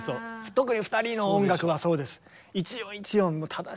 特に２人の音楽はそうです。